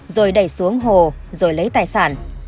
rồi đẩy xuống hồ rồi lấy tài sản